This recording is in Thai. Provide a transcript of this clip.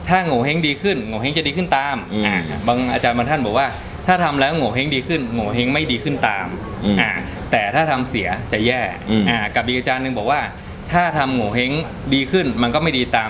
อันนี้ของพี่ท้อคือเขาตีจ่ายหรือว่า